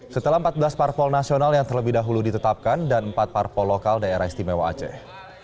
setelah empat belas parpol nasional yang terlebih dahulu ditetapkan dan empat parpol lokal daerah istimewa aceh